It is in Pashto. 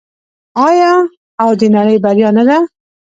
آیا او د نړۍ بریا نه ده؟